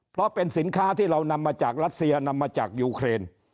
เพราะเป็นสินค้าที่เรานำมาจากรัสเซียนำมาจากยูเครน